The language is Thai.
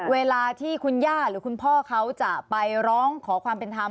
เวลาที่คุณย่าหรือคุณพ่อเขาจะไปร้องขอความเป็นธรรม